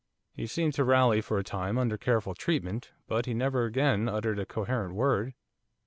He seemed to rally for a time under careful treatment, but he never again uttered a coherent word.